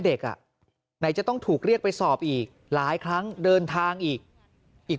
เด็กอ่ะไหนจะต้องถูกเรียกไปสอบอีกหลายครั้งเดินทางอีกอีก